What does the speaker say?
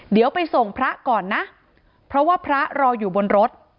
เดี๋ยวไปส่งพระก่อนนะเพราะว่าพระรออยู่บนรถ